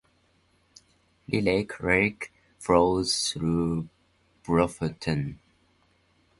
Riley Creek flows through Bluffton.